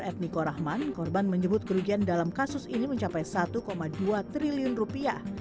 etniko rahman korban menyebut kerugian dalam kasus ini mencapai satu dua triliun rupiah